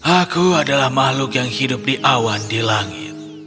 aku adalah makhluk yang hidup di awan di langit